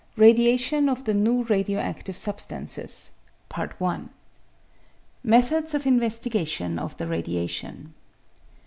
Radiation of the New Radio active Substanxes. Methods of Investigation of the Radiation.